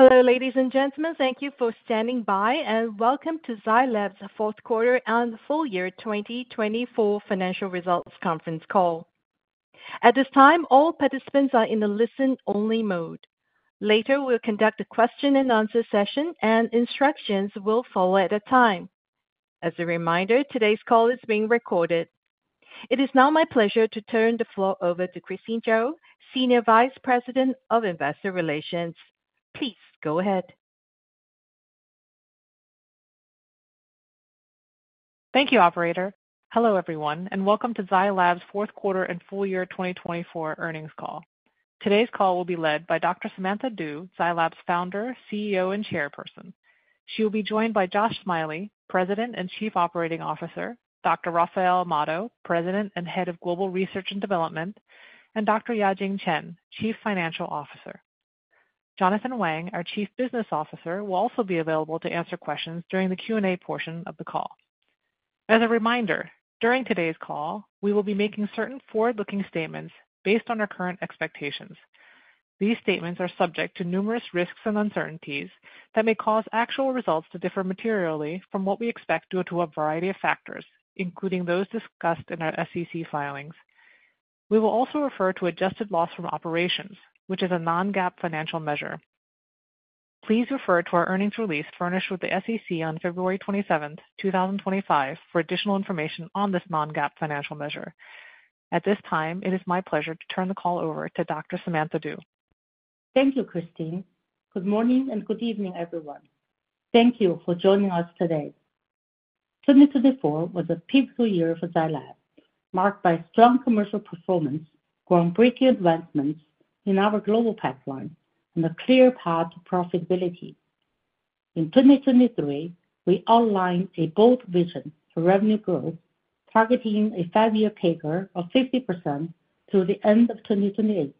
Hello, ladies and gentlemen. Thank you for standing by, and welcome to Zai Lab's fourth quarter and full year 2024 financial results conference call. At this time, all participants are in the listen-only mode. Later, we'll conduct a question-and-answer session, and instructions will follow at that time. As a reminder, today's call is being recorded. It is now my pleasure to turn the floor over to Christine Chiou, Senior Vice President of Investor Relations. Please go ahead. Thank you, Operator. Hello, everyone, and welcome to Zai Lab's fourth quarter and full year 2024 earnings call. Today's call will be led by Dr. Samantha Du, Zai Lab's Founder, CEO, and Chairperson. She will be joined by Josh Smiley, President and Chief Operating Officer, Dr. Rafael Amado, President and Head of Global Research and Development, and Dr. Yajing Chen, Chief Financial Officer. Jonathan Wang, our Chief Business Officer, will also be available to answer questions during the Q&A portion of the call. As a reminder, during today's call, we will be making certain forward-looking statements based on our current expectations. These statements are subject to numerous risks and uncertainties that may cause actual results to differ materially from what we expect due to a variety of factors, including those discussed in our SEC filings. We will also refer to adjusted loss from operations, which is a non-GAAP financial measure. Please refer to our earnings release furnished with the SEC on February 27, 2025, for additional information on this non-GAAP financial measure. At this time, it is my pleasure to turn the call over to Dr. Samantha Du. Thank you, Christine. Good morning and good evening, everyone. Thank you for joining us today. 2024 was a peak year for Zai Lab, marked by strong commercial performance, groundbreaking advancements in our global pipeline, and a clear path to profitability. In 2023, we outlined a bold vision for revenue growth, targeting a five-year CAGR of 50% through the end of 2028.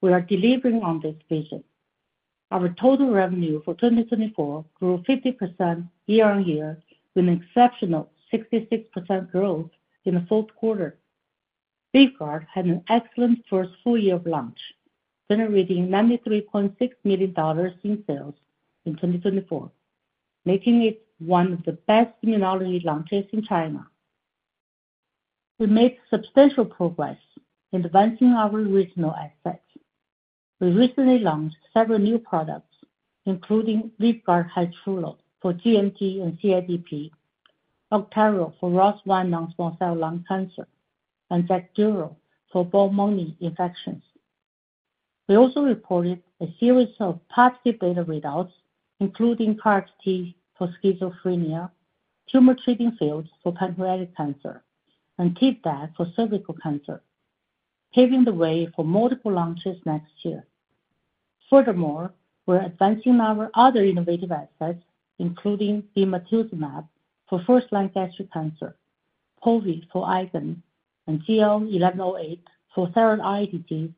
We are delivering on this vision. Our total revenue for 2024 grew 50% year-on-year, with an exceptional 66% growth in the fourth quarter. VYVGART had an excellent first full year of launch, generating $93.6 million in sales in 2024, making it one of the best immunology launches in China. We made substantial progress in advancing our regional assets. We recently launched several new products, including VYVGART Hytrulo for gMG and CIDP, AUGTYRO for ROS1 non-small cell lung cancer, and XACDURO for Acinetobacter baumannii infections. We also reported a series of positive data results, including KarXT for schizophrenia, Tumor Treating Fields for pancreatic cancer, and TIVDAK for cervical cancer, paving the way for multiple launches next year. Furthermore, we're advancing our other innovative assets, including bemarituzumab for first-line gastric cancer, pove for IgAN, and ZL-1108 for thyroid eye disease,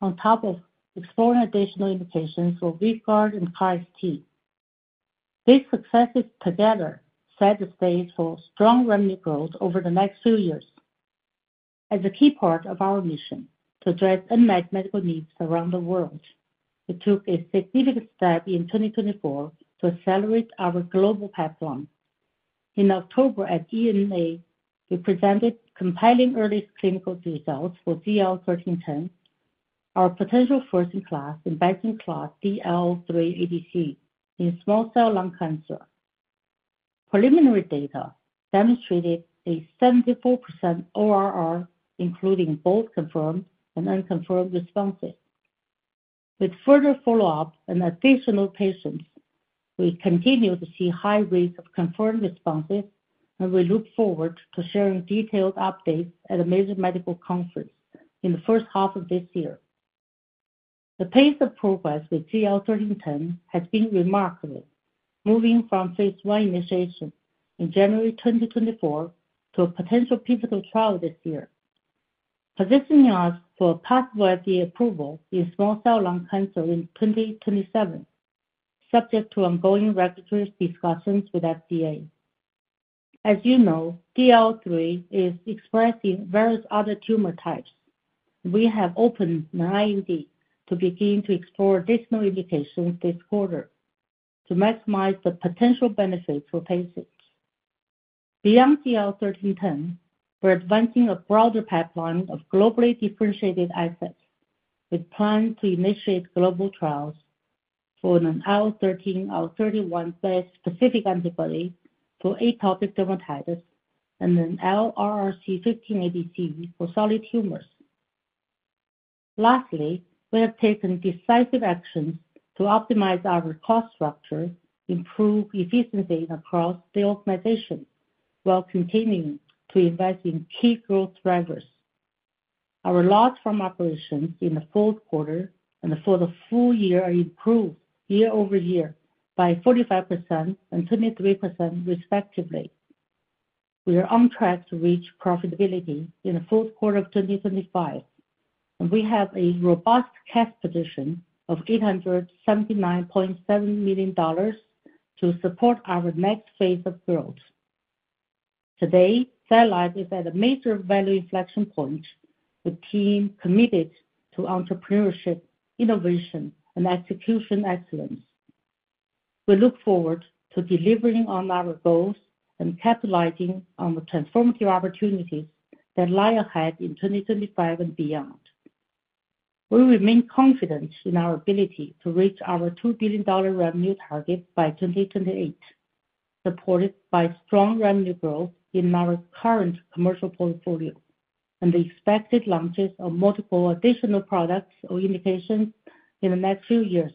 on top of exploring additional indications for VYVGART and KarXT. These successes together set the stage for strong revenue growth over the next few years. As a key part of our mission to address unmet medical needs around the world, we took a significant step in 2024 to accelerate our global pipeline. In October at EMA, we presented compelling earliest clinical results for ZL-1310, our potential first-in-class best-in-class DLL3 ADC in small cell lung cancer. Preliminary data demonstrated a 74% ORR, including both confirmed and unconfirmed responses. With further follow-up and additional patients, we continue to see high rates of confirmed responses, and we look forward to sharing detailed updates at a major medical conference in the first half of this year. The pace of progress with ZL-1310 has been remarkable, moving from phase I initiation in January 2024 to a potential pivotal trial this year, positioning us for a possible FDA approval in small cell lung cancer in 2027, subject to ongoing regulatory discussions with the FDA. As you know, DLL3 is expressed in various other tumor types, and we have opened an IND to begin to explore additional indications this quarter to maximize the potential benefits for patients. Beyond ZL-1310, we're advancing a broader pipeline of globally differentiated assets, with plans to initiate global trials for an IL-13/IL-31-based bispecific antibody for atopic dermatitis and an LRRC15 ADC for solid tumors. Lastly, we have taken decisive actions to optimize our cost structure, improve efficiency across the organization, while continuing to invest in key growth drivers. Our loss from operations in the fourth quarter and for the full year improved year-over-year by 45% and 23%, respectively. We are on track to reach profitability in the fourth quarter of 2025, and we have a robust cash position of $879.7 million to support our next phase of growth. Today, Zai Lab is at a major value inflection point, with a team committed to entrepreneurship, innovation, and execution excellence. We look forward to delivering on our goals and capitalizing on the transformative opportunities that lie ahead in 2025 and beyond. We remain confident in our ability to reach our $2 billion revenue target by 2028, supported by strong revenue growth in our current commercial portfolio and the expected launches of multiple additional products or indications in the next few years.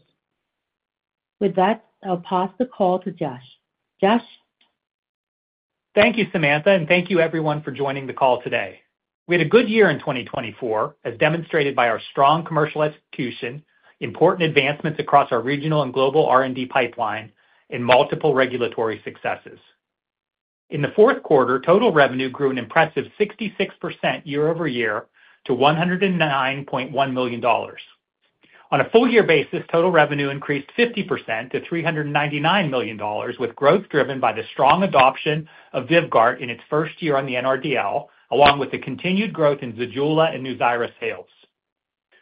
With that, I'll pass the call to Josh. Josh. Thank you, Samantha, and thank you, everyone, for joining the call today. We had a good year in 2024, as demonstrated by our strong commercial execution, important advancements across our regional and global R&D pipeline, and multiple regulatory successes. In the fourth quarter, total revenue grew an impressive 66% year-over-year to $109.1 million. On a full-year basis, total revenue increased 50% to $399 million, with growth driven by the strong adoption of VYVGART in its first year on the NRDL, along with the continued growth in ZEJULA and NUZYRA sales.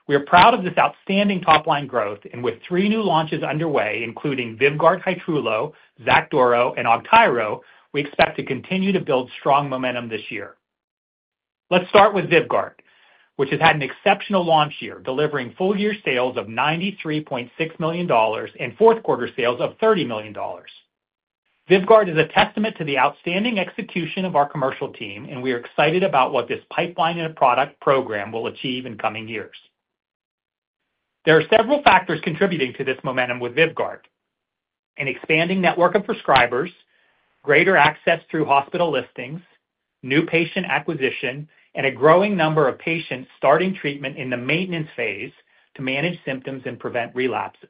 We are proud of this outstanding top-line growth, and with three new launches underway, including VYVGART Hytrulo, XACDURO, and AUGTYRO, we expect to continue to build strong momentum this year. Let's start with VYVGART, which has had an exceptional launch year, delivering full-year sales of $93.6 million and fourth quarter sales of $30 million. VYVGART is a testament to the outstanding execution of our commercial team, and we are excited about what this pipeline and product program will achieve in coming years. There are several factors contributing to this momentum with VYVGART: an expanding network of prescribers, greater access through hospital listings, new patient acquisition, and a growing number of patients starting treatment in the maintenance phase to manage symptoms and prevent relapses.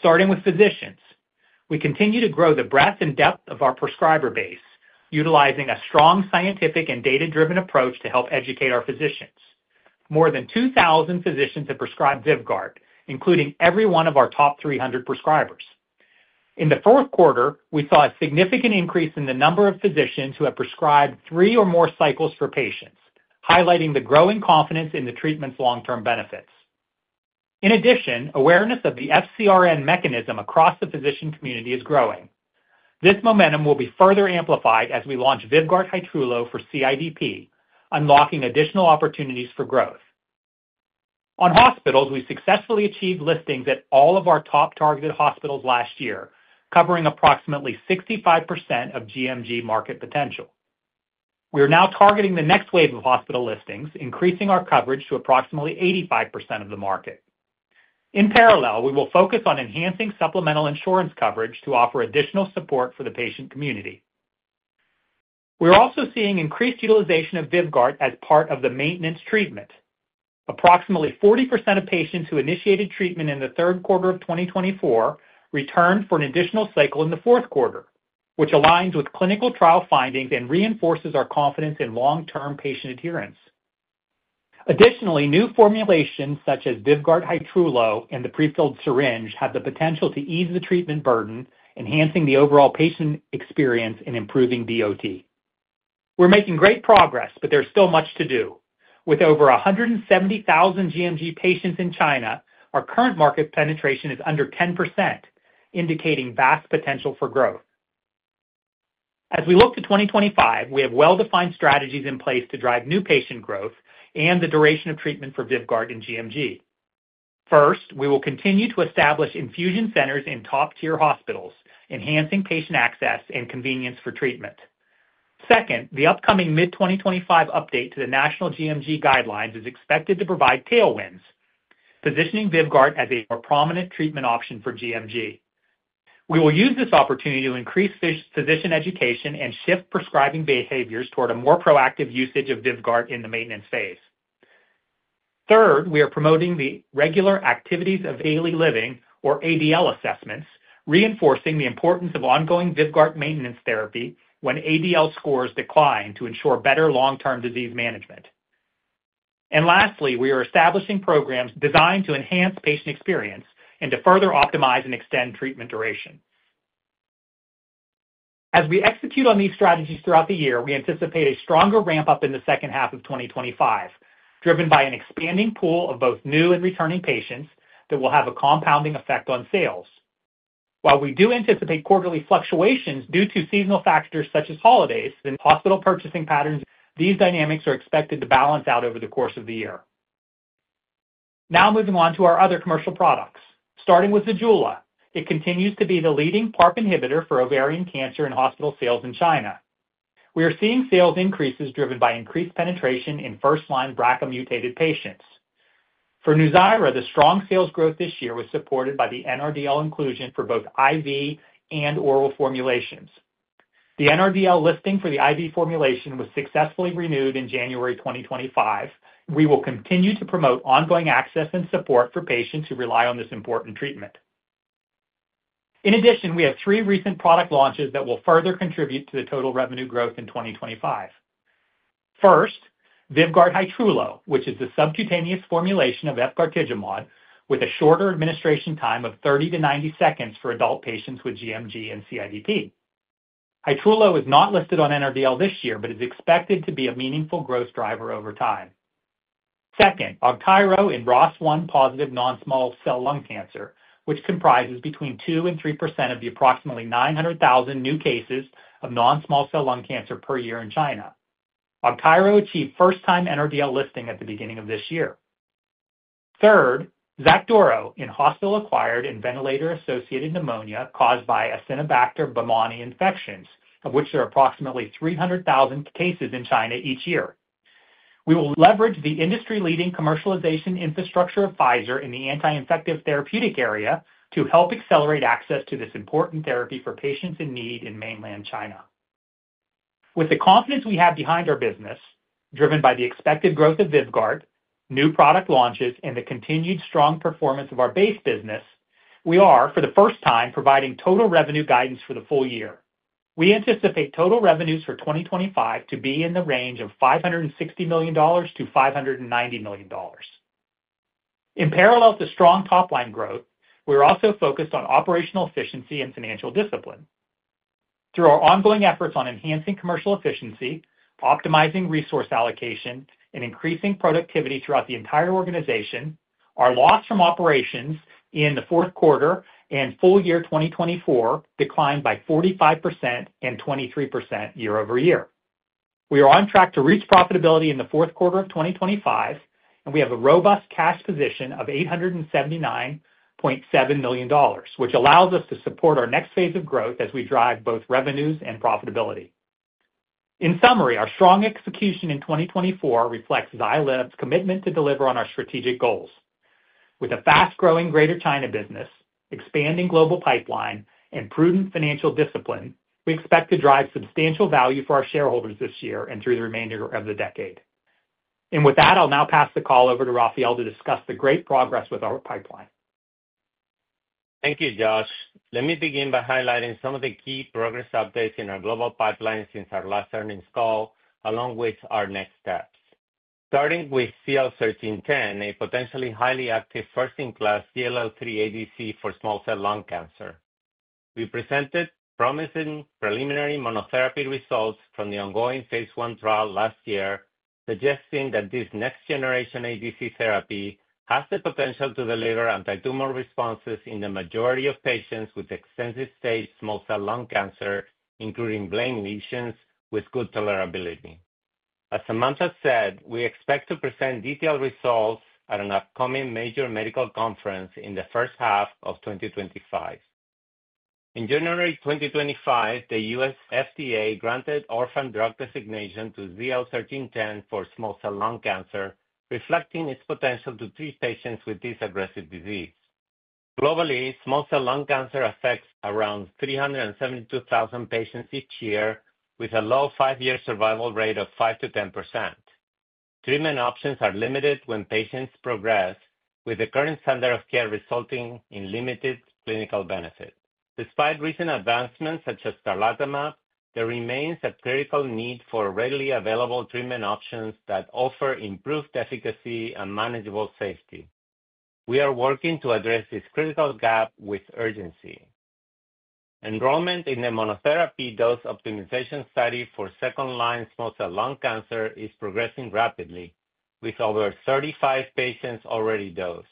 Starting with physicians, we continue to grow the breadth and depth of our prescriber base, utilizing a strong scientific and data-driven approach to help educate our physicians. More than 2,000 physicians have prescribed VYVGART, including every one of our top 300 prescribers. In the fourth quarter, we saw a significant increase in the number of physicians who have prescribed three or more cycles for patients, highlighting the growing confidence in the treatment's long-term benefits. In addition, awareness of the FcRn mechanism across the physician community is growing. This momentum will be further amplified as we launch VYVGART Hytrulo for CIDP, unlocking additional opportunities for growth. On hospitals, we successfully achieved listings at all of our top targeted hospitals last year, covering approximately 65% of gMG market potential. We are now targeting the next wave of hospital listings, increasing our coverage to approximately 85% of the market. In parallel, we will focus on enhancing supplemental insurance coverage to offer additional support for the patient community. We are also seeing increased utilization of VYVGART as part of the maintenance treatment. Approximately 40% of patients who initiated treatment in the third quarter of 2024 returned for an additional cycle in the fourth quarter, which aligns with clinical trial findings and reinforces our confidence in long-term patient adherence. Additionally, new formulations such as VYVGART Hytrulo and the prefilled syringe have the potential to ease the treatment burden, enhancing the overall patient experience and improving DoT. We're making great progress, but there's still much to do. With over 170,000 gMG patients in China, our current market penetration is under 10%, indicating vast potential for growth. As we look to 2025, we have well-defined strategies in place to drive new patient growth and the duration of treatment for VYVGART and gMG. First, we will continue to establish infusion centers in top-tier hospitals, enhancing patient access and convenience for treatment. Second, the upcoming mid-2025 update to the National gMG Guidelines is expected to provide tailwinds, positioning VYVGART as a more prominent treatment option for gMG. We will use this opportunity to increase physician education and shift prescribing behaviors toward a more proactive usage of VYVGART in the maintenance phase. Third, we are promoting the regular Activities of Daily Living, or ADL, assessments, reinforcing the importance of ongoing VYVGART maintenance therapy when ADL scores decline to ensure better long-term disease management. And lastly, we are establishing programs designed to enhance patient experience and to further optimize and extend treatment duration. As we execute on these strategies throughout the year, we anticipate a stronger ramp-up in the second half of 2025, driven by an expanding pool of both new and returning patients that will have a compounding effect on sales. While we do anticipate quarterly fluctuations due to seasonal factors such as holidays and hospital purchasing patterns, these dynamics are expected to balance out over the course of the year. Now moving on to our other commercial products. Starting with ZEJULA, it continues to be the leading PARP inhibitor for ovarian cancer in hospital sales in China. We are seeing sales increases driven by increased penetration in first-line BRCA-mutated patients. For NUZYRA, the strong sales growth this year was supported by the NRDL inclusion for both IV and oral formulations. The NRDL listing for the IV formulation was successfully renewed in January 2025, and we will continue to promote ongoing access and support for patients who rely on this important treatment. In addition, we have three recent product launches that will further contribute to the total revenue growth in 2025. First, VYVGART Hytrulo, which is the subcutaneous formulation of efgartigimod, with a shorter administration time of 30 to 90 seconds for adult patients with gMG and CIDP. VYVGART Hytrulo is not listed on NRDL this year, but is expected to be a meaningful growth driver over time. Second, AUGTYRO in ROS1 positive non-small cell lung cancer, which comprises between 2% and 3% of the approximately 900,000 new cases of non-small cell lung cancer per year in China. AUGTYRO achieved first-time NRDL listing at the beginning of this year. Third, XACDURO in hospital-acquired and ventilator-associated pneumonia caused by Acinetobacter baumannii infections, of which there are approximately 300,000 cases in China each year. We will leverage the industry-leading commercialization infrastructure of Pfizer in the anti-infective therapeutic area to help accelerate access to this important therapy for patients in need in Mainland China. With the confidence we have behind our business, driven by the expected growth of VYVGART, new product launches, and the continued strong performance of our base business, we are, for the first time, providing total revenue guidance for the full year. We anticipate total revenues for 2025 to be in the range of $560 million-$590 million. In parallel to strong top-line growth, we are also focused on operational efficiency and financial discipline. Through our ongoing efforts on enhancing commercial efficiency, optimizing resource allocation, and increasing productivity throughout the entire organization, our loss from operations in the fourth quarter and full year 2024 declined by 45% and 23% year-over-year. We are on track to reach profitability in the fourth quarter of 2025, and we have a robust cash position of $879.7 million, which allows us to support our next phase of growth as we drive both revenues and profitability. In summary, our strong execution in 2024 reflects Zai Lab's commitment to deliver on our strategic goals. With a fast-growing Greater China business, expanding global pipeline, and prudent financial discipline, we expect to drive substantial value for our shareholders this year and through the remainder of the decade. And with that, I'll now pass the call over to Rafael to discuss the great progress with our pipeline. Thank you, Josh. Let me begin by highlighting some of the key progress updates in our global pipeline since our last earnings call, along with our next steps. Starting with ZL-1310, a potentially highly active first-in-class DLL3 ADC for small cell lung cancer. We presented promising preliminary monotherapy results from the ongoing phase I trial last year, suggesting that this next-generation ADC therapy has the potential to deliver antitumor responses in the majority of patients with extensive-stage small cell lung cancer, including brain lesions, with good tolerability. As Samantha said, we expect to present detailed results at an upcoming major medical conference in the first half of 2025. In January 2025, the U.S. FDA granted orphan drug designation to ZL-1310 for small cell lung cancer, reflecting its potential to treat patients with this aggressive disease. Globally, small cell lung cancer affects around 372,000 patients each year, with a low five-year survival rate of 5%-10%. Treatment options are limited when patients progress, with the current standard of care resulting in limited clinical benefit. Despite recent advancements such as tarlatamab, there remains a critical need for readily available treatment options that offer improved efficacy and manageable safety. We are working to address this critical gap with urgency. Enrollment in the monotherapy dose optimization study for second-line small cell lung cancer is progressing rapidly, with over 35 patients already dosed.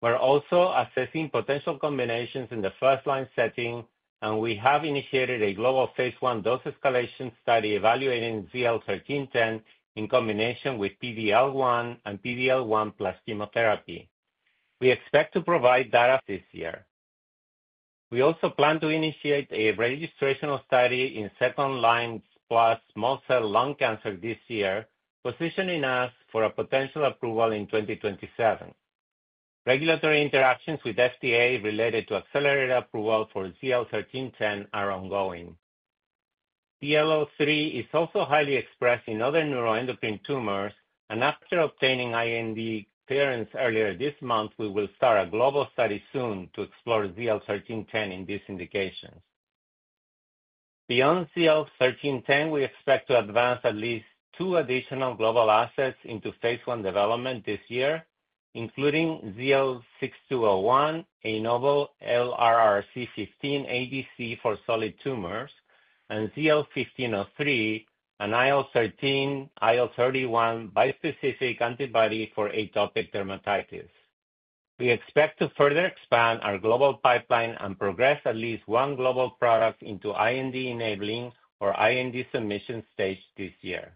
We're also assessing potential combinations in the first-line setting, and we have initiated a global phase I dose escalation study evaluating ZL-1310 in combination with PD-L1 and PD-L1 plus chemotherapy. We expect to provide data this year. We also plan to initiate a registrational study in second-line plus small cell lung cancer this year, positioning us for a potential approval in 2027. Regulatory interactions with FDA related to accelerated approval for ZL-1310 are ongoing. DLL3 is also highly expressed in other neuroendocrine tumors, and after obtaining IND clearance earlier this month, we will start a global study soon to explore ZL-1310 in these indications. Beyond ZL-1310, we expect to advance at least two additional global assets into phase I development this year, including ZL-6201, a novel LRRC15 ADC for solid tumors, and ZL-1503, an IL-13, IL-31 bispecific antibody for atopic dermatitis. We expect to further expand our global pipeline and progress at least one global product into IND-enabling or IND submission stage this year.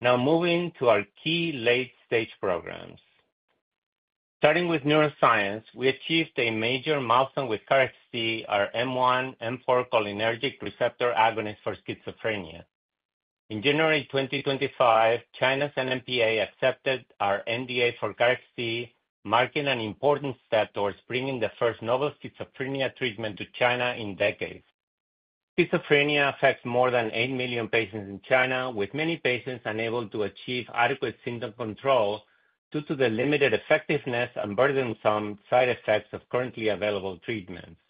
Now moving to our key late-stage programs. Starting with neuroscience, we achieved a major milestone with KarXT, our M1/M4 cholinergic receptor agonist for schizophrenia. In January 2025, China's NMPA accepted our NDA for KarXT, marking an important step towards bringing the first novel schizophrenia treatment to China in decades. Schizophrenia affects more than eight million patients in China, with many patients unable to achieve adequate symptom control due to the limited effectiveness and burdensome side effects of currently available treatments.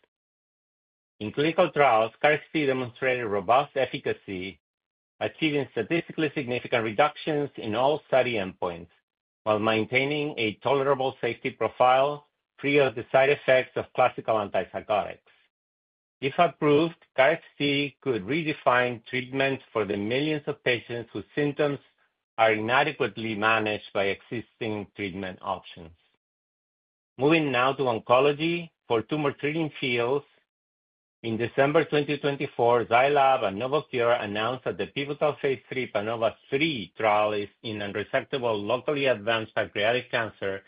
In clinical trials, KarXT demonstrated robust efficacy, achieving statistically significant reductions in all study endpoints while maintaining a tolerable safety profile free of the side effects of classical antipsychotics. If approved, KarXT could redefine treatment for the millions of patients whose symptoms are inadequately managed by existing treatment options. Moving now to oncology. For Tumor Treating Fields, in December 2024, Zai Lab and Novocure announced that the pivotal phase III PANOVA-3 trial in unresectable locally advanced pancreatic cancer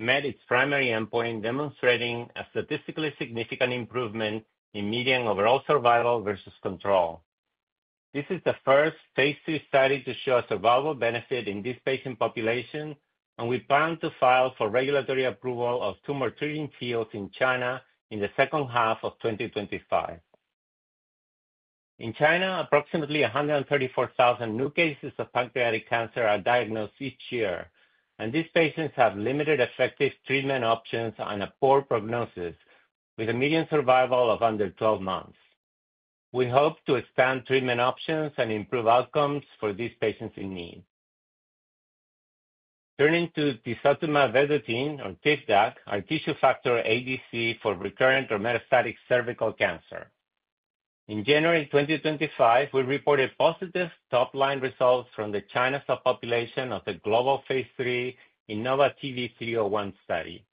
met its primary endpoint, demonstrating a statistically significant improvement in median overall survival versus control. This is the first phase III study to show a survival benefit in this patient population, and we plan to file for regulatory approval of Tumor Treating Fields in China in the second half of 2025. In China, approximately 134,000 new cases of pancreatic cancer are diagnosed each year, and these patients have limited effective treatment options and a poor prognosis, with a median survival of under 12 months. We hope to expand treatment options and improve outcomes for these patients in need. to tisotumab vedotin, or TIVDAK, our tissue factor ADC for recurrent or metastatic cervical cancer. In January 2025, we reported positive top-line results from the China subpopulation of the global phase III innovaTV 301 study.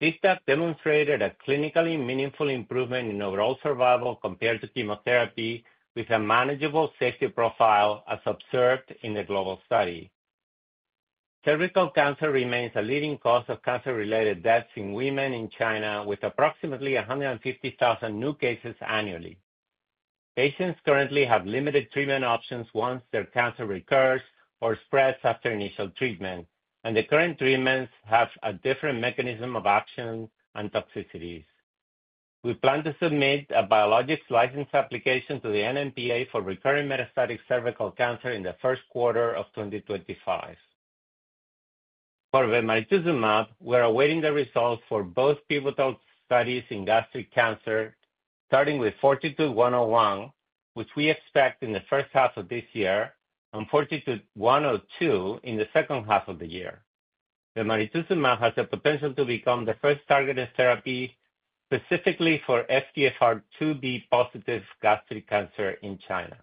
TIVDAK demonstrated a clinically meaningful improvement in overall survival compared to chemotherapy, with a manageable safety profile as observed in the global study. Cervical cancer remains a leading cause of cancer-related deaths in women in China, with approximately 150,000 new cases annually. Patients currently have limited treatment options once their cancer recurs or spreads after initial treatment, and the current treatments have a different mechanism of action and toxicities. We plan to submit a biologics license application to the NMPA for recurrent metastatic cervical cancer in the first quarter of 2025. For bemarituzumab, we're awaiting the results for both pivotal studies in gastric cancer, starting with FORTITUDE-101, which we expect in the first half of this year, and FORTITUDE-102 in the second half of the year. Bemarituzumab has the potential to become the first targeted therapy specifically for FGFR2b positive gastric cancer in China.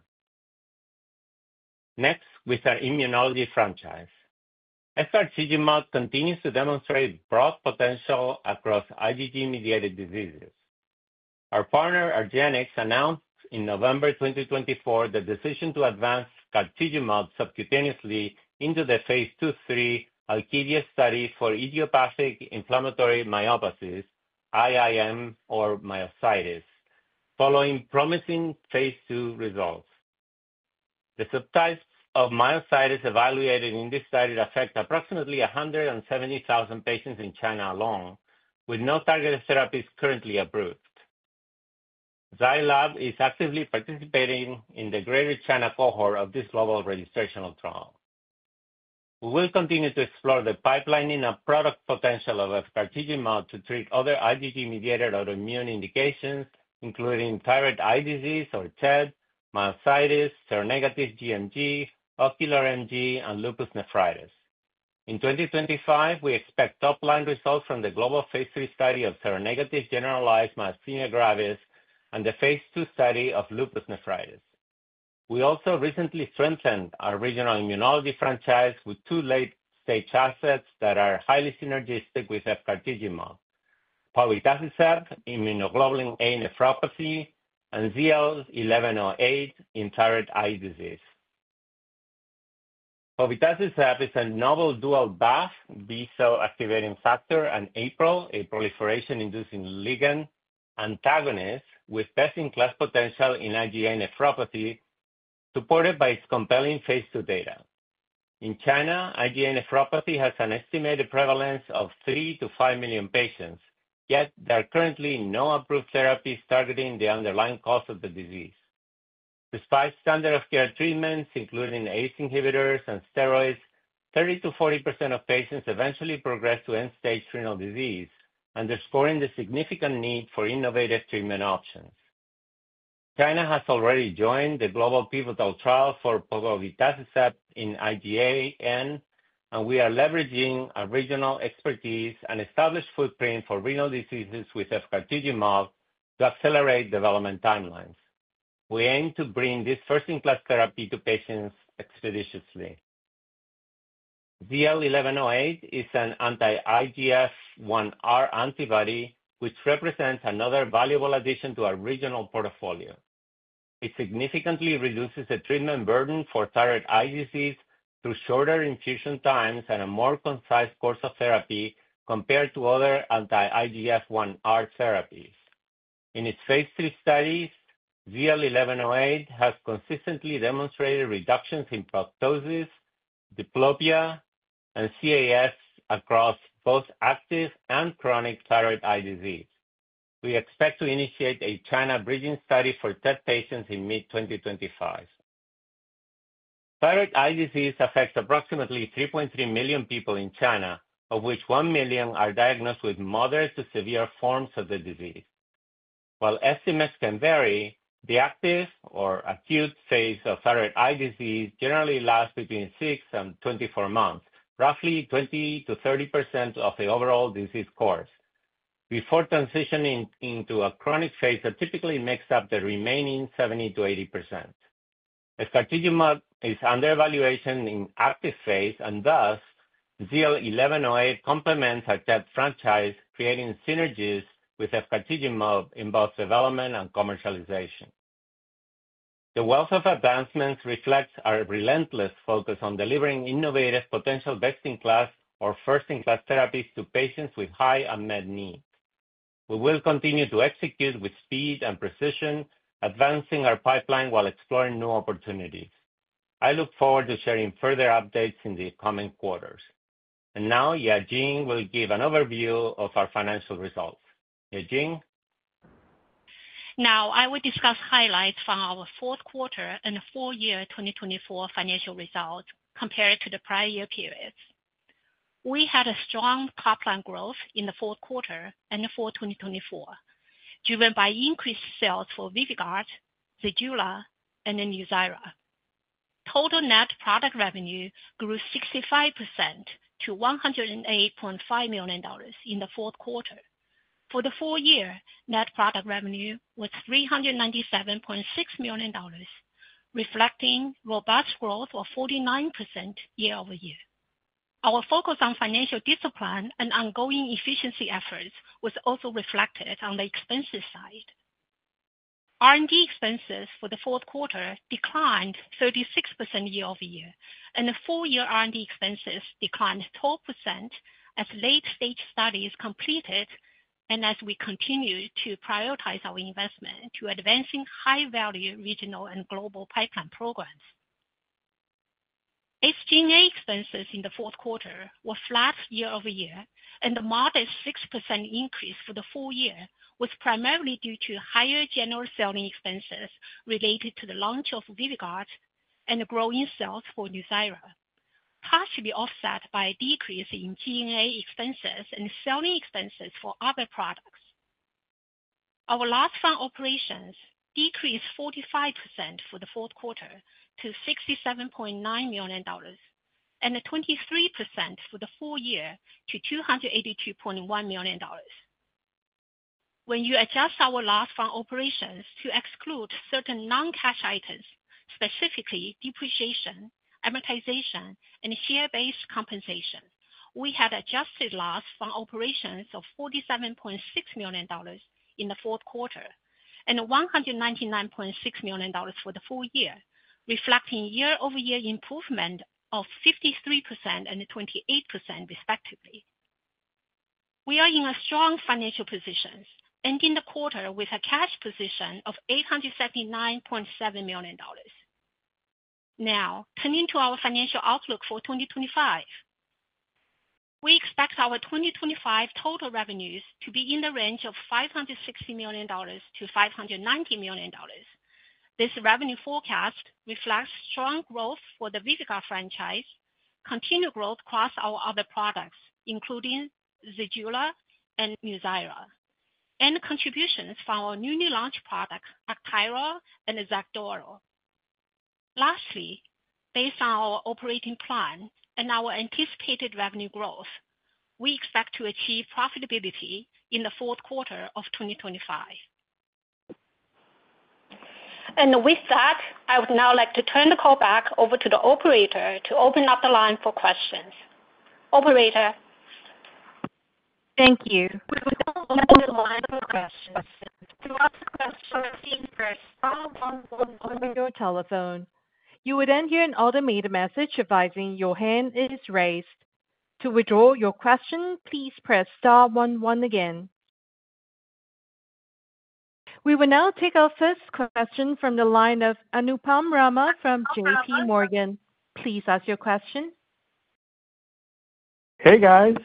Next, with our immunology franchise, efgartigimod continues to demonstrate broad potential across IgG-mediated diseases. Our partner, argenx, announced in November 2024 the decision to advance efgartigimod subcutaneously into the phase II/III ALKIVIA study for idiopathic inflammatory myopathies, IIM or myositis, following promising phase II results. The subtypes of myositis evaluated in this study affect approximately 170,000 patients in China alone, with no targeted therapies currently approved. Zai Lab is actively participating in the Greater China cohort of this global registrational trial. We will continue to explore the pipeline and product potential of efgartigimod to treat other IgG-mediated autoimmune indications, including thyroid eye disease or TED, myositis, seronegative gMG, ocular MG, and lupus nephritis. In 2025, we expect top-line results from the global phase III study of seronegative generalized myasthenia gravis and the phase II study of lupus nephritis. We also recently strengthened our regional immunology franchise with two late-stage assets that are highly synergistic with efgartigimod: povetacicept, immunoglobulin A nephropathy, and ZL-1108 in thyroid eye disease. Povetacicept is a novel dual BAFF B-cell activating factor and APRIL, a proliferation-inducing ligand antagonist, with best-in-class potential in IgA nephropathy, supported by its compelling phase II data. In China, IgA nephropathy has an estimated prevalence of 3-5 million patients, yet there are currently no approved therapies targeting the underlying cause of the disease. Despite standard of care treatments, including ACE inhibitors and steroids, 30%-40% of patients eventually progress to end-stage renal disease, underscoring the significant need for innovative treatment options. China has already joined the global pivotal trial for povetacicept in IgAN, and we are leveraging our regional expertise and established footprint for renal diseases with efgartigimod to accelerate development timelines. We aim to bring this first-in-class therapy to patients expeditiously. ZL-1108 is an anti-IGF-1R antibody, which represents another valuable addition to our regional portfolio. It significantly reduces the treatment burden for thyroid eye disease through shorter infusion times and a more concise course of therapy compared to other anti-IGF-1R therapies. In its phase III studies, ZL-1108 has consistently demonstrated reductions in proptosis, diplopia, and CAS across both active and chronic thyroid eye disease. We expect to initiate a China bridging study for TED patients in mid-2025. Thyroid eye disease affects approximately 3.3 million people in China, of which one million are diagnosed with moderate to severe forms of the disease. While estimates can vary, the active or acute phase of thyroid eye disease generally lasts between six and 24 months, roughly 20%-30% of the overall disease course. Before transitioning into a chronic phase, it typically makes up the remaining 70%-80%. Efgartigimod is under evaluation in active phase, and thus ZL-1108 complements our TED franchise, creating synergies with efgartigimod in both development and commercialization. The wealth of advancements reflects our relentless focus on delivering innovative potential best-in-class or first-in-class therapies to patients with high unmet needs. We will continue to execute with speed and precision, advancing our pipeline while exploring new opportunities. I look forward to sharing further updates in the coming quarters, and now, Yajing will give an overview of our financial results. Yajing? Now, I will discuss highlights from our fourth quarter and the full year 2024 financial results compared to the prior year periods. We had a strong pipeline growth in the fourth quarter and the full 2024, driven by increased sales for VYVGART, ZEJULA, and NUZYRA. Total net product revenue grew 65% to $108.5 million in the fourth quarter. For the full year, net product revenue was $397.6 million, reflecting robust growth of 49% year-over-year. Our focus on financial discipline and ongoing efficiency efforts was also reflected on the expenses side. R&D expenses for the fourth quarter declined 36% year-over-year, and the full year R&D expenses declined 12% as late-stage studies completed and as we continue to prioritize our investment to advancing high-value regional and global pipeline programs. SG&A expenses in the fourth quarter were flat year-over-year, and the modest 6% increase for the full year was primarily due to higher general selling expenses related to the launch of VYVGART and the growing sales for NUZYRA, partially offset by a decrease in G&A expenses and selling expenses for other products. Our loss from operations decreased 45% for the fourth quarter to $67.9 million and 23% for the full year to $282.1 million. When you adjust our loss from operations to exclude certain non-cash items, specifically depreciation, amortization, and share-based compensation, we had adjusted loss from operations of $47.6 million in the fourth quarter and $199.6 million for the full year, reflecting year-over-year improvement of 53% and 28% respectively. We are in a strong financial position, ending the quarter with a cash position of $879.7 million. Now, turning to our financial outlook for 2025, we expect our 2025 total revenues to be in the range of $560 million-$590 million. This revenue forecast reflects strong growth for the VYVGART franchise, continued growth across our other products, including ZEJULA and NUZYRA, and contributions from our newly launched products, AUGTYRO and XACDURO. Lastly, based on our operating plan and our anticipated revenue growth, we expect to achieve profitability in the fourth quarter of 2025. And with that, I would now like to turn the call back over to the operator to open up the line for questions. Operator? Thank you. We will now open the line for questions. To ask a question, please press star one one on your telephone. You will then hear an automated message advising your hand is raised. To withdraw your question, please press star one one again. We will now take our first question from the line of Anupam Rama from JPMorgan. Please ask your question. Hey, guys.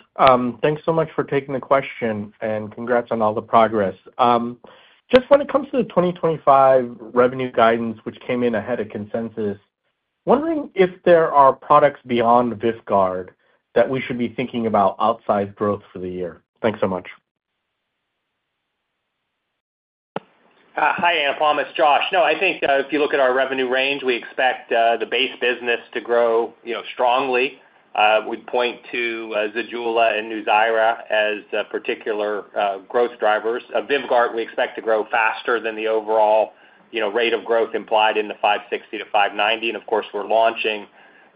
Thanks so much for taking the question, and congrats on all the progress. Just when it comes to the 2025 revenue guidance, which came in ahead of consensus, wondering if there are products beyond VYVGART that we should be thinking about outside growth for the year. Thanks so much. Hi, Anupam. It's Josh. No, I think if you look at our revenue range, we expect the base business to grow strongly. We'd point to ZEJULA and NUZYRA as particular growth drivers. VYVGART, we expect to grow faster than the overall rate of growth implied in the $560-$590. And of course, we're launching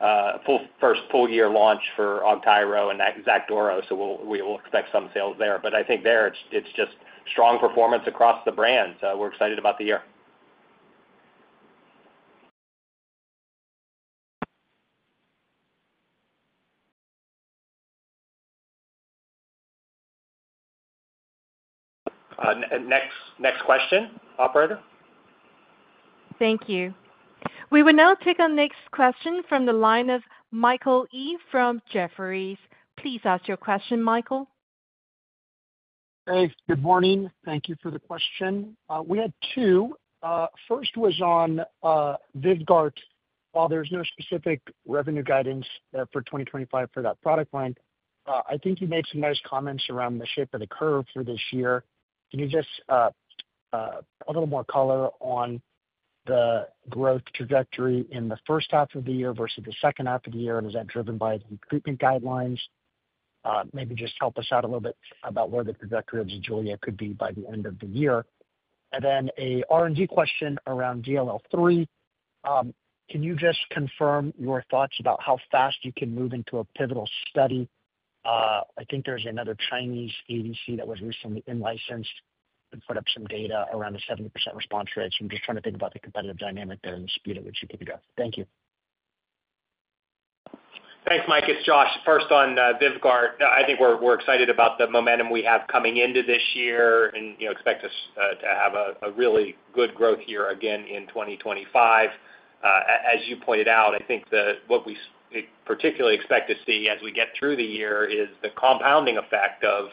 a first full year launch for AUGTYRO and XACDURO, so we will expect some sales there. But I think there it's just strong performance across the brand, so we're excited about the year. Next question, operator? Thank you. We will now take our next question from the line of Michael Yee from Jefferies. Please ask your question, Michael. Hey, good morning. Thank you for the question. We had two. First was on VYVGART. While there's no specific revenue guidance for 2025 for that product line, I think you made some nice comments around the shape of the curve for this year. Can you just put a little more color on the growth trajectory in the first half of the year versus the second half of the year, and is that driven by the treatment guidelines? Maybe just help us out a little bit about where the trajectory of ZEJULA could be by the end of the year. And then an R&D question around DLL3. Can you just confirm your thoughts about how fast you can move into a pivotal study? I think there's another Chinese ADC that was recently in-licensed and put up some data around the 70% response rates. I'm just trying to think about the competitive dynamic there and the speed at which you can go. Thank you. Thanks, Mike. It's Josh. First on VYVGART. I think we're excited about the momentum we have coming into this year and expect us to have a really good growth year again in 2025. As you pointed out, I think what we particularly expect to see as we get through the year is the compounding effect of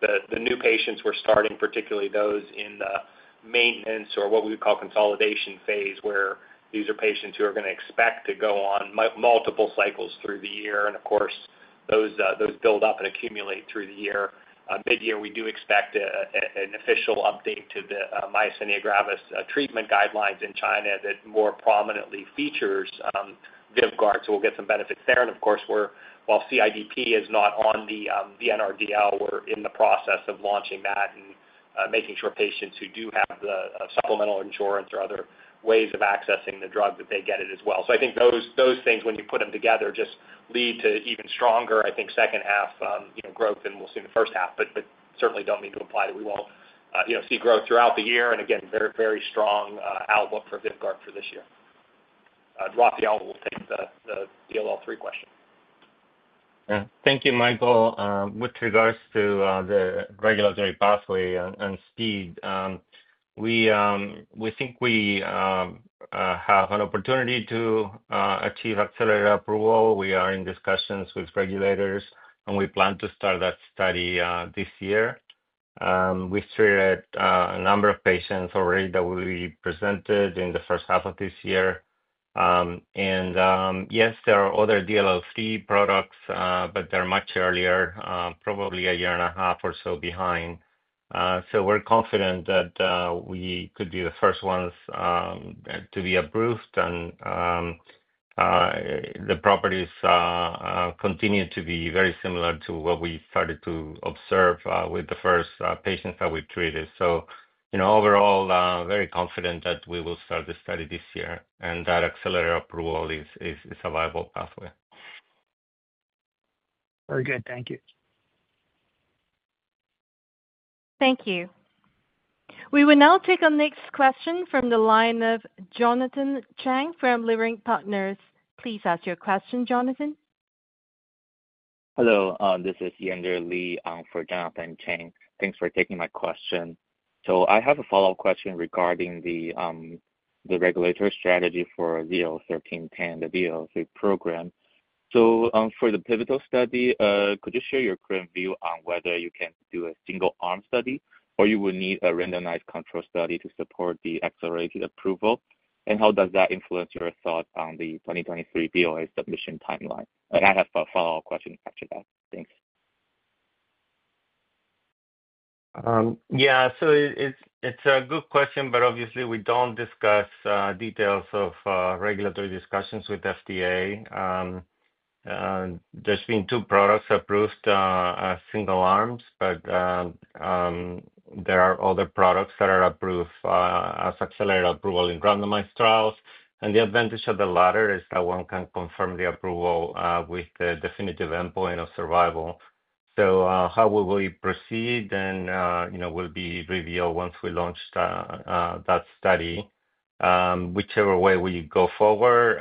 the new patients we're starting, particularly those in the maintenance or what we would call consolidation phase, where these are patients who are going to expect to go on multiple cycles through the year. And of course, those build up and accumulate through the year. Mid-year, we do expect an official update to the myasthenia gravis treatment guidelines in China that more prominently features VYVGART, so we'll get some benefits there. And of course, while CIDP is not on the NRDL, we're in the process of launching that and making sure patients who do have the supplemental insurance or other ways of accessing the drug that they get it as well. So I think those things, when you put them together, just lead to even stronger, I think, second half growth than we'll see in the first half, but certainly don't mean to imply that we won't see growth throughout the year. And again, very strong outlook for VYVGART for this year. Rafael, we'll take the DLL3 question. Thank you, Michael. With regards to the regulatory pathway and speed, we think we have an opportunity to achieve accelerated approval. We are in discussions with regulators, and we plan to start that study this year. We've treated a number of patients already that will be presented in the first half of this year. And yes, there are other DLL3 products, but they're much earlier, probably a year and a half or so behind. So we're confident that we could be the first ones to be approved, and the properties continue to be very similar to what we started to observe with the first patients that we treated. So overall, very confident that we will start the study this year and that accelerated approval is a viable pathway. Very good. Thank you. Thank you. We will now take our next question from the line of Jonathan Chang from Leerink Partners. Please ask your question, Jonathan. Hello. This is Yen-Der Li for Jonathan Chang. Thanks for taking my question. So I have a follow-up question regarding the regulatory strategy for ZL-1310, the DLL3 program. So for the pivotal study, could you share your current view on whether you can do a single-arm study or you will need a randomized control study to support the accelerated approval? And how does that influence your thought on the 2023 BLA submission timeline? And I have a follow-up question after that. Thanks. Yeah. So it's a good question, but obviously, we don't discuss details of regulatory discussions with FDA. There's been two products approved as single arms, but there are other products that are approved as accelerated approval in randomized trials. And the advantage of the latter is that one can confirm the approval with the definitive endpoint of survival. So how will we proceed? It will be revealed once we launch that study. Whichever way we go forward,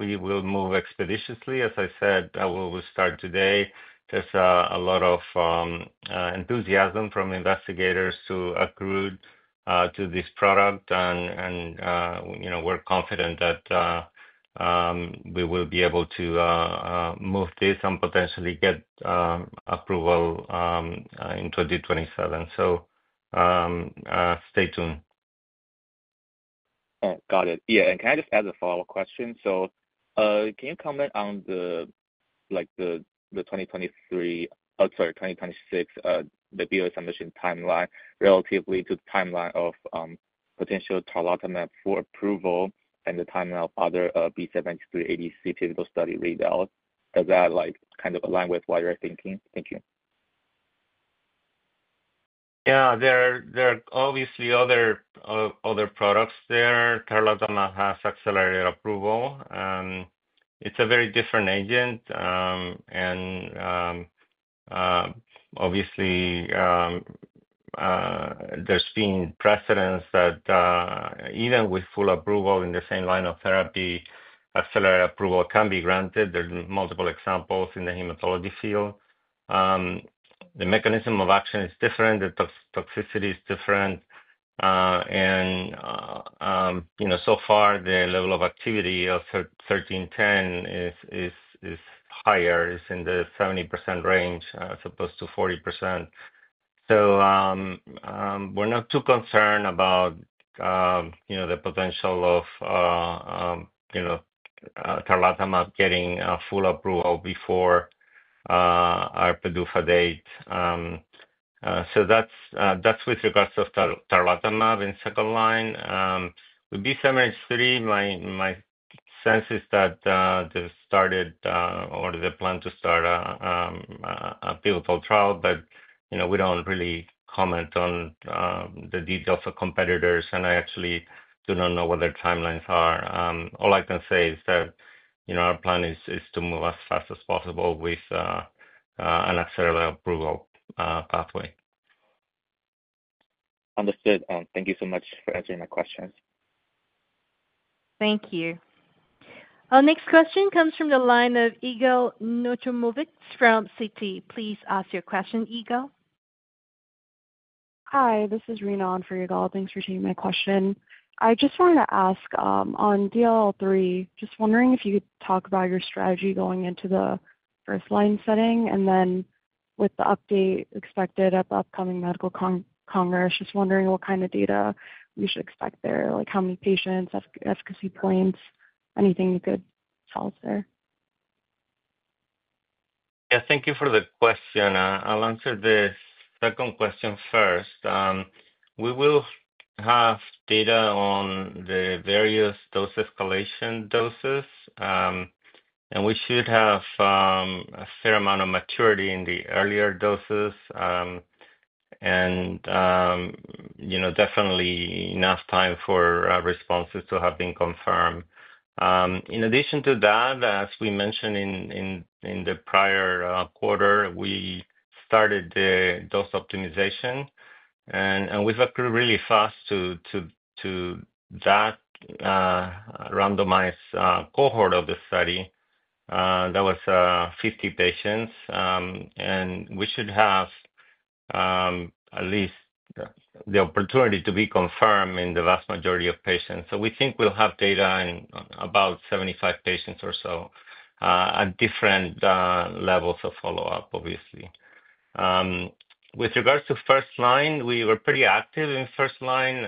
we will move expeditiously. As I said, we will start today. There's a lot of enthusiasm from investigators to accrue to this product. We're confident that we will be able to move this and potentially get approval in 2027. Stay tuned. Got it. Yeah. Can I just add a follow-up question? Can you comment on the 2023, sorry, 2026, the BLA submission timeline relative to the timeline of potential tarlatamab for approval and the timeline of other B7-H3 ADC pivotal study readouts? Does that kind of align with what you're thinking? Thank you. Yeah. There are obviously other products there. Tarlatamab has accelerated approval. It's a very different agent. Obviously, there's been precedent that even with full approval in the same line of therapy, accelerated approval can be granted are multiple examples in the hematology field. The mechanism of action is different. The toxicity is different. And so far, the level of activity of 1310 is higher, is in the 70% range as opposed to 40%. So we're not too concerned about the potential of tarlatamab getting full approval before our PDUFA date. So that's with regards to tarlatamab in second line. With B7-H3, my sense is that they've started or they plan to start a pivotal trial, but we don't really comment on the details of competitors. And I actually do not know what their timelines are. All I can say is that our plan is to move as fast as possible with an accelerated approval pathway. Understood. Thank you so much for answering my questions. Thank you. Our next question comes from the line of Yigal Nochomovitz from Citi. Please ask your question, Yigal. Hi. This is Rina on for Yigal. Thanks for taking my question. I just wanted to ask on DLL3, just wondering if you could talk about your strategy going into the first line setting and then with the update expected at the upcoming medical congress. Just wondering what kind of data we should expect there, like how many patients, efficacy points, anything you could tell us there. Yeah. Thank you for the question. I'll answer the second question first. We will have data on the various dose escalation doses. And we should have a fair amount of maturity in the earlier doses and definitely enough time for responses to have been confirmed. In addition to that, as we mentioned in the prior quarter, we started the dose optimization. And we've accrued really fast to that randomized cohort of the study. That was 50 patients. We should have at least the opportunity to be confirmed in the vast majority of patients. We think we'll have data in about 75 patients or so at different levels of follow-up, obviously. With regards to first line, we were pretty active in first line.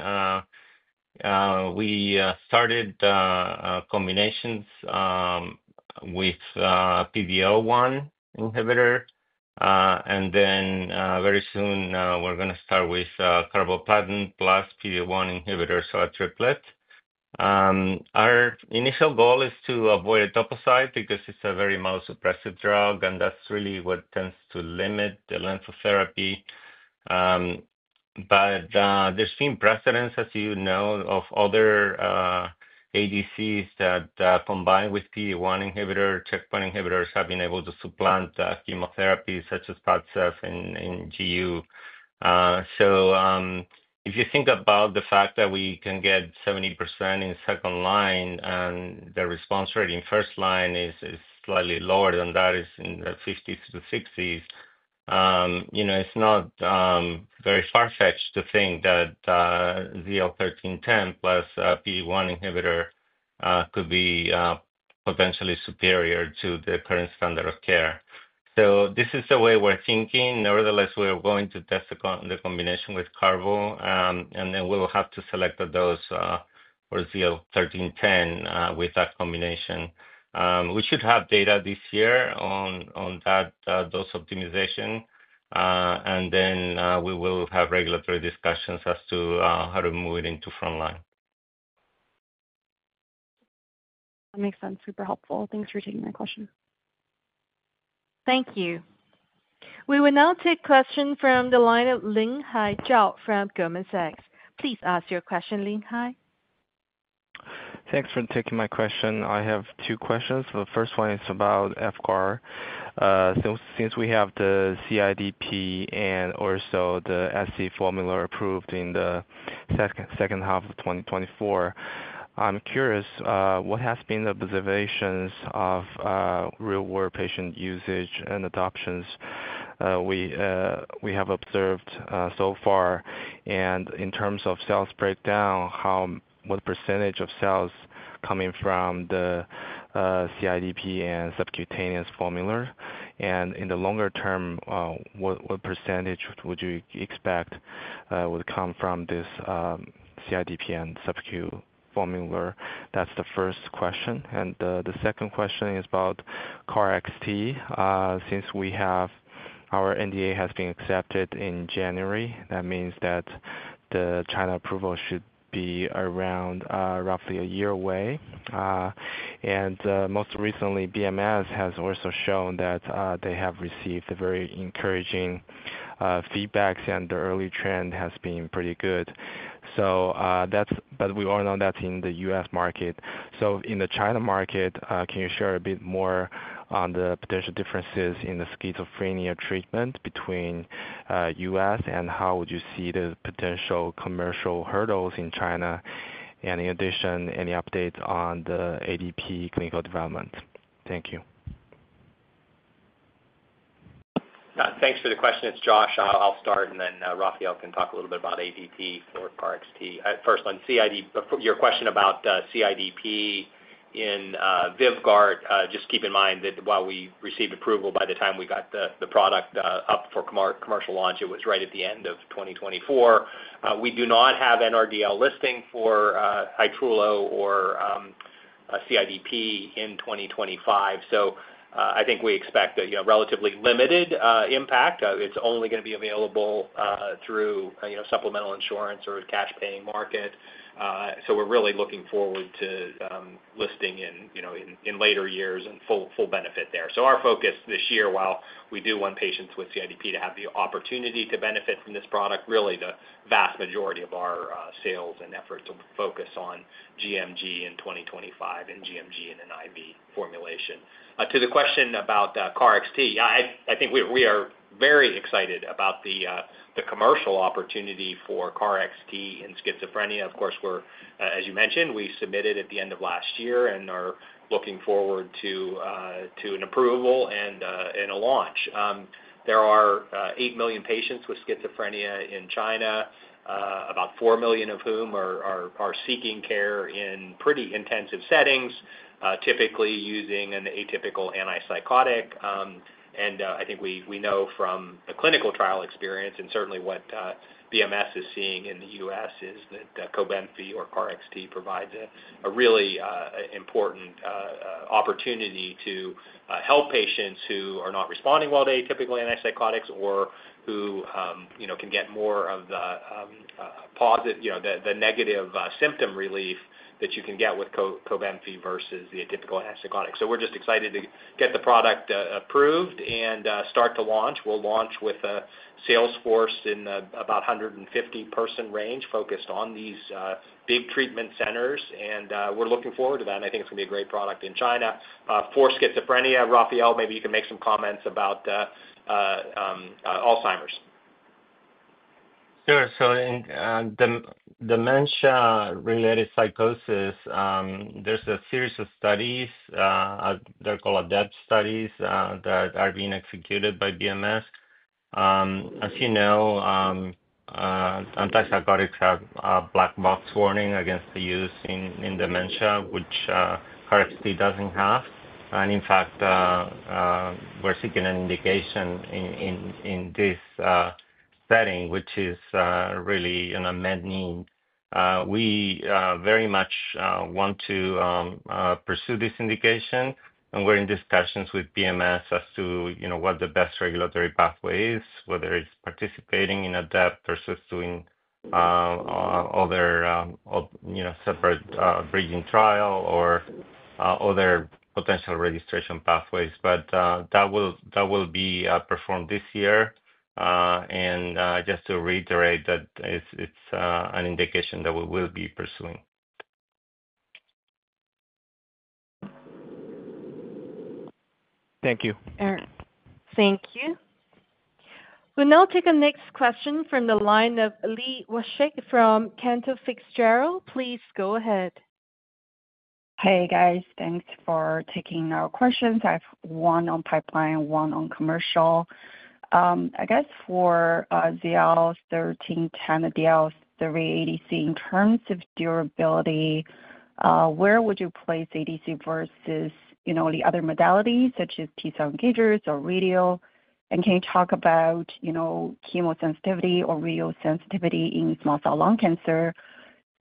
We started combinations with PD-L1 inhibitor and then very soon, we're going to start with carboplatin plus PD-L1 inhibitor, so a triplet. Our initial goal is to avoid etoposide because it's a very myelomild suppressive drug, and that's really what tends to limit the length of therapy. There's been precedent, as you know, of other ADCs that combined with PD-1 inhibitor, checkpoint inhibitors, have been able to supplant chemotherapy such as PADCEV in GU. So if you think about the fact that we can get 70% in second line and the response rate in first line is slightly lower than that, is in the 50%-60%, it's not very far-fetched to think that ZL-1310 plus PD-1 inhibitor could be potentially superior to the current standard of care. So this is the way we're thinking. Nevertheless, we are going to test the combination with carbo. And then we will have to select a dose for ZL-1310 with that combination. We should have data this year on that dose optimization. And then we will have regulatory discussions as to how to move it into front line. That makes sense. Super helpful. Thanks for taking my question. Thank you. We will now take a question from the line of Linhai Zhao from Goldman Sachs. Please ask your question, Linhai. Thanks for taking my question. I have two questions. The first one is about VYVGART. Since we have the CIDP and also the SC formula approved in the second half of 2024, I'm curious, what has been the observations of real-world patient usage and adoptions we have observed so far? And in terms of sales breakdown, what percentage of sales coming from the CIDP and subcutaneous formula? And in the longer term, what percentage would you expect would come from this CIDP and subcutaneous formula? That's the first question. And the second question is about KarXT. Since our NDA has been accepted in January, that means that the China approval should be around roughly a year away. And most recently, BMS has also shown that they have received very encouraging feedback, and the early trend has been pretty good. But we all know that's in the U.S. market. In the China market, can you share a bit more on the potential differences in the schizophrenia treatment between U.S., and how would you see the potential commercial hurdles in China? And in addition, any updates on the ADEPT clinical development? Thank you. Thanks for the question. It's Josh. I'll start, and then Rafael can talk a little bit about ADEPT for KarXT. First, on your question about CIDP in VYVGART, just keep in mind that while we received approval by the time we got the product up for commercial launch, it was right at the end of 2024. We do not have NRDL listing for Hytrulo or CIDP in 2025. I think we expect a relatively limited impact. It's only going to be available through supplemental insurance or a cash-paying market. We're really looking forward to listing in later years and full benefit there. Our focus this year, while we do want patients with CIDP to have the opportunity to benefit from this product, really the vast majority of our sales and efforts will focus on gMG in 2025 and gMG in an IV formulation. To the question about KarXT, I think we are very excited about the commercial opportunity for KarXT in schizophrenia. Of course, as you mentioned, we submitted at the end of last year and are looking forward to an approval and a launch. There are eight million patients with schizophrenia in China, about four million of whom are seeking care in pretty intensive settings, typically using an atypical antipsychotic. I think we know from the clinical trial experience, and certainly what BMS is seeing in the U.S., is that COBENFY or KarXT provides a really important opportunity to help patients who are not responding well to atypical antipsychotics or who can get more of the negative symptom relief that you can get with COBENFY versus the atypical antipsychotics. We're just excited to get the product approved and start to launch. We'll launch with a sales force in about 150-person range focused on these big treatment centers. We're looking forward to that. I think it's going to be a great product in China. For schizophrenia, Rafael, maybe you can make some comments about Alzheimer's. Sure. Dementia-related psychosis, there's a series of studies. They're called ADEPT studies that are being executed by BMS. As you know, antipsychotics have a black box warning against the use in dementia, which KarXT doesn't have. And in fact, we're seeking an indication in this setting, which is really a med need. We very much want to pursue this indication. And we're in discussions with BMS as to what the best regulatory pathway is, whether it's participating in ADEPT versus doing other separate bridging trial or other potential registration pathways. But that will be performed this year. And just to reiterate that it's an indication that we will be pursuing. Thank you. Thank you. We'll now take a next question from the line of Li Watsek from Cantor Fitzgerald. Please go ahead. Hey, guys. Thanks for taking our questions. I have one on pipeline, one on commercial. I guess for ZL-1310, DLL3 ADC, in terms of durability, where would you place ADC versus the other modalities such as T-cell engagers or radio? Can you talk about chemosensitivity or radiosensitivity in small cell lung cancer?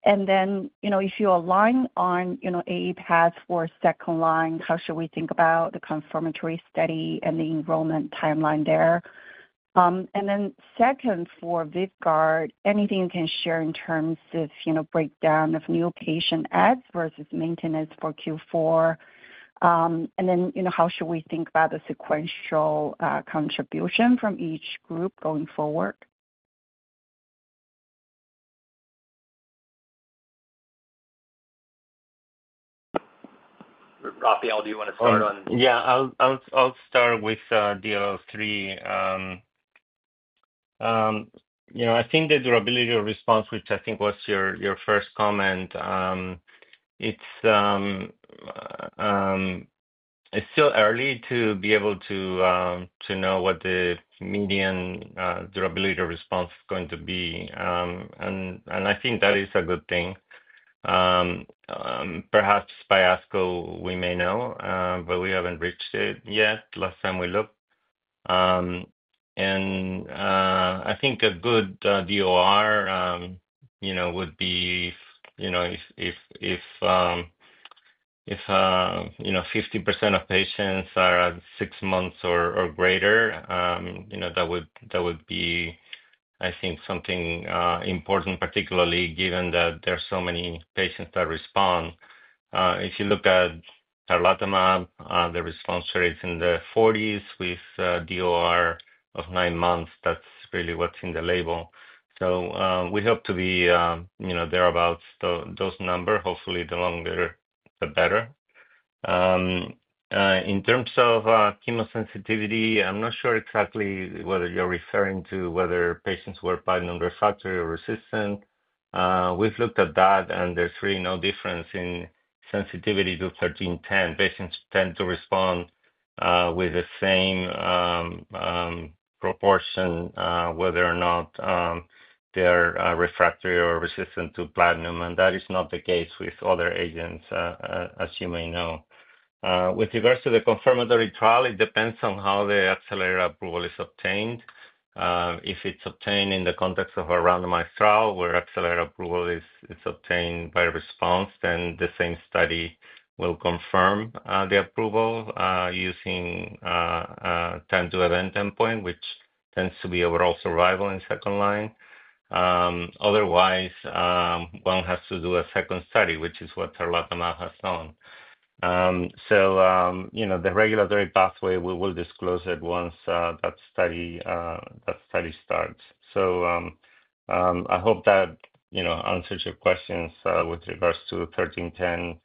Then if you align on AE path for second line, how should we think about the confirmatory study and the enrollment timeline there? Then second, for VYVGART, anything you can share in terms of breakdown of new patient adds versus maintenance for Q4? How should we think about the sequential contribution from each group going forward? Rafael, do you want to start on? Yeah. I'll start with DLL3. I think the durability of response, which I think was your first comment, it's still early to be able to know what the median durability of response is going to be, and I think that is a good thing. Perhaps by ASCO, we may know, but we haven't reached it yet, last time we looked. I think a good DOR would be if 50% of patients are at six months or greater. That would be, I think, something important, particularly given that there are so many patients that respond. If you look at tarlatamab, the response rate is in the 40s with DOR of nine months. That's really what's in the label. So we hope to be there about those numbers. Hopefully, the longer, the better. In terms of chemosensitivity, I'm not sure exactly whether you're referring to whether patients were platinum refractory or resistant. We've looked at that, and there's really no difference in sensitivity to 1310. Patients tend to respond with the same proportion, whether or not they are refractory or resistant to platinum. That is not the case with other agents, as you may know. With regards to the confirmatory trial, it depends on how the accelerated approval is obtained. If it's obtained in the context of a randomized trial where accelerated approval is obtained by response, then the same study will confirm the approval using time to event endpoint, which tends to be overall survival in second line. Otherwise, one has to do a second study, which is what tarlatamab has done. The regulatory pathway, we will disclose it once that study starts. I hope that answers your questions with regards to 1310.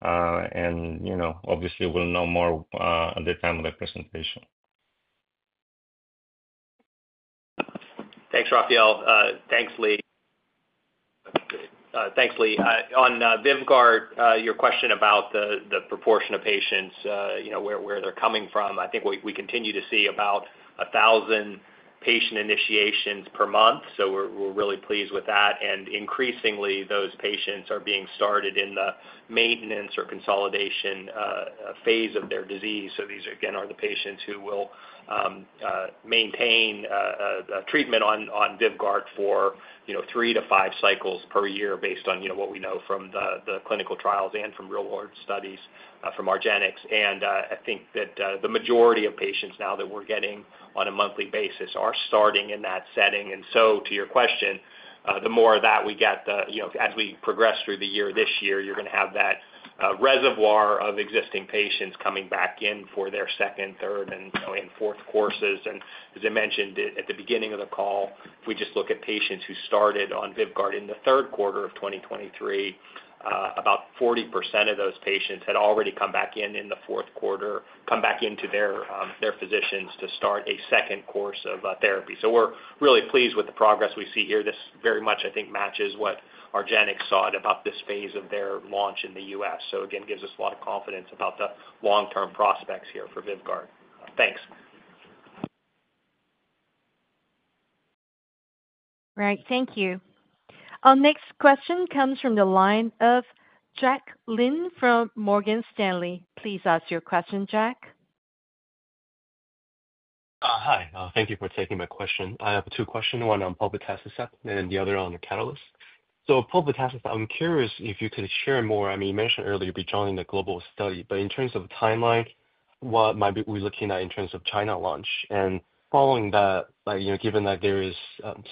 And obviously, we'll know more at the time of the presentation. Thanks, Rafael. Thanks, Li. Thanks, Li. On VYVGART, your question about the proportion of patients, where they're coming from, I think we continue to see about 1,000 patient initiations per month. We're really pleased with that. And increasingly, those patients are being started in the maintenance or consolidation phase of their disease. These, again, are the patients who will maintain treatment on VYVGART for three to five cycles per year based on what we know from the clinical trials and from real-world studies from argenx. And I think that the majority of patients now that we're getting on a monthly basis are starting in that setting. And so to your question, the more of that we get, as we progress through the year, this year, you're going to have that reservoir of existing patients coming back in for their second, third, and fourth courses. And as I mentioned at the beginning of the call, we just look at patients who started on VYVGART in the third quarter of 2023. About 40% of those patients had already come back in the fourth quarter, come back into their physicians to start a second course of therapy. So we're really pleased with the progress we see here. This very much, I think, matches what argenx saw about this phase of their launch in the US. So again, it gives us a lot of confidence about the long-term prospects here for VYVGART. Thanks. Right. Thank you. Our next question comes from the line of Jack Lin from Morgan Stanley. Please ask your question, Jack. Hi. Thank you for taking my question. I have two questions. One on patient access and the other on the catalyst. So patient access, I'm curious if you could share more. I mean, you mentioned earlier you'll be joining the global study. But in terms of timeline, what might we be looking at in terms of China launch? Following that, given that there is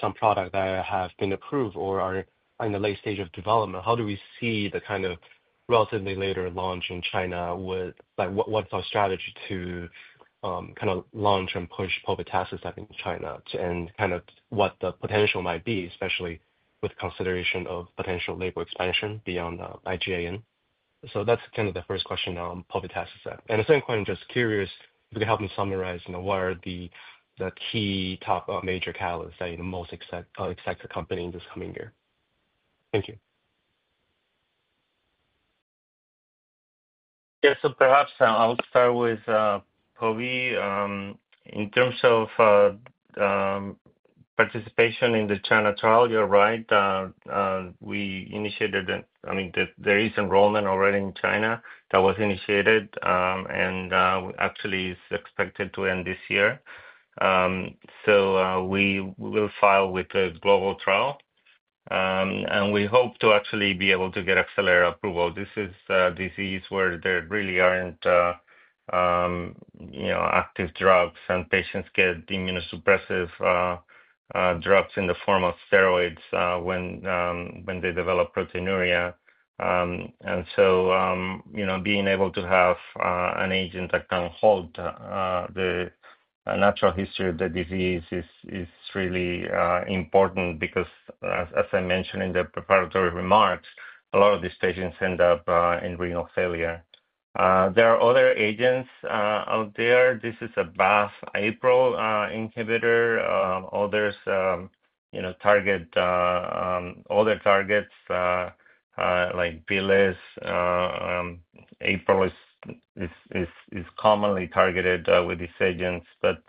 some product that has been approved or are in the late stage of development, how do we see the kind of relatively later launch in China? What's our strategy to kind of launch and push patient access in China and kind of what the potential might be, especially with consideration of potential label expansion beyond IgAN? That's kind of the first question on patient access. The second question, just curious, if you could help me summarize what are the key top major catalysts that you most expect to accompany in this coming year. Thank you. Yeah. Perhaps I'll start with pove. In terms of participation in the China trial, you're right. We initiated—I mean, there is enrollment already in China that was initiated, and actually, it's expected to end this year. So we will file with the global trial. We hope to actually be able to get accelerated approval. This is a disease where there really aren't active drugs, and patients get immunosuppressive drugs in the form of steroids when they develop proteinuria. Being able to have an agent that can alter the natural history of the disease is really important because, as I mentioned in the prepared remarks, a lot of these patients end up in renal failure. There are other agents out there. This is a BAFF/APRIL inhibitor. Others target other targets like bema. APRIL is commonly targeted with these agents. There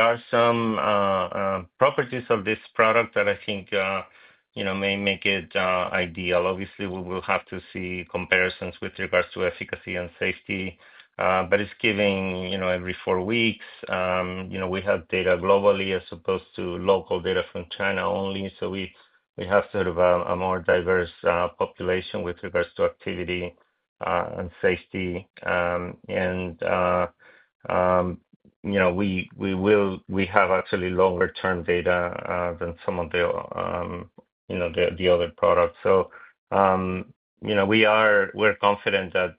are some properties of this product that I think may make it ideal. Obviously, we will have to see comparisons with regards to efficacy and safety. It's given every four weeks. We have data globally as opposed to local data from China only. So we have sort of a more diverse population with regards to activity and safety. And we have actually longer-term data than some of the other products. So we're confident that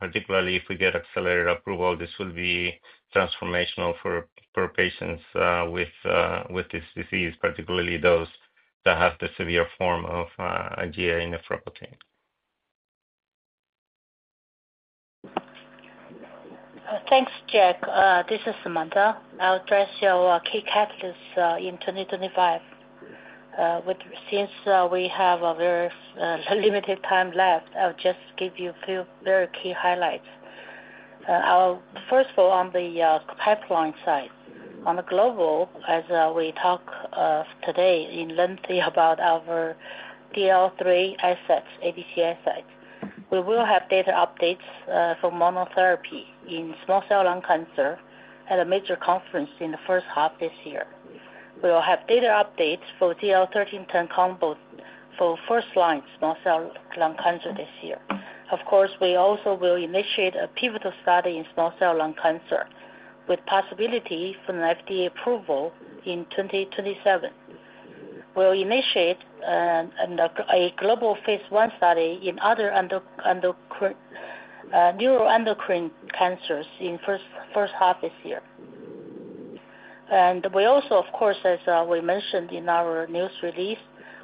particularly if we get accelerated approval, this will be transformational for patients with this disease, particularly those that have the severe form of IgA nephropathy. Thanks, Jack. This is Samantha. I'll address your key catalysts in 2025. Since we have a very limited time left, I'll just give you a few very key highlights. First of all, on the pipeline side, on the global, as we talk today in length about our DLL3 assets, ADC assets, we will have data updates for monotherapy in small cell lung cancer at a major conference in the first half this year. We will have data updates for ZL-1310 combo for first-line small cell lung cancer this year. Of course, we also will initiate a pivotal study in small cell lung cancer with possibility for an FDA approval in 2027. We'll initiate a global phase one study in other neuroendocrine cancers in the first half this year. We also, of course, as we mentioned in our news release,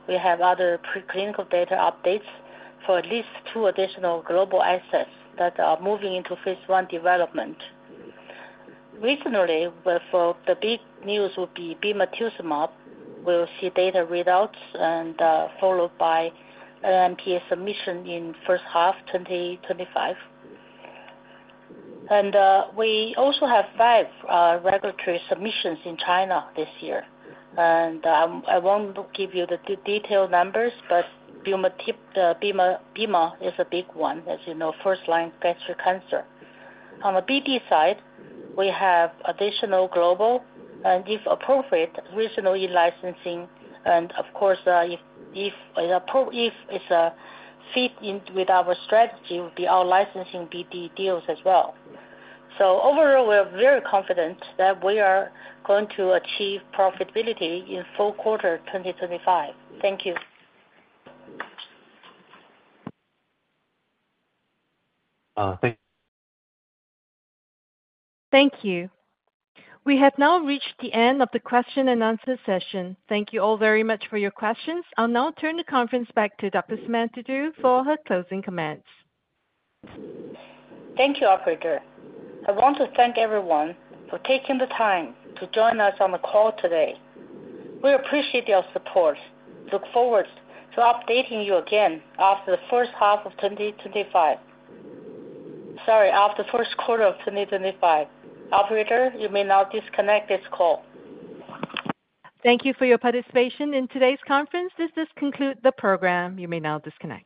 have other preclinical data updates for at least two additional global assets that are moving into phase one development. Recently, for the big news would be bemarituzumab. We'll see data readouts followed by NMPA submission in the first half, 2025. We also have five regulatory submissions in China this year. I won't give you the detailed numbers, but bema is a big one, as you know, first-line gastric cancer. On the BD side, we have additional global and, if appropriate, regional in-licensing. Of course, if it's fit with our strategy, it would be out-licensing BD deals as well. So overall, we're very confident that we are going to achieve profitability in the fourth quarter of 2025. Thank you. Thank you. Thank you. We have now reached the end of the question and answer session. Thank you all very much for your questions. I'll now turn the conference back to Dr. Samantha Du for her closing comments. Thank you, Operator. I want to thank everyone for taking the time to join us on the call today. We appreciate your support. Look forward to updating you again after the first half of 2025. Sorry, after the first quarter of 2025. Operator, you may now disconnect this call. Thank you for your participation in today's conference. This does conclude the program. You may now disconnect.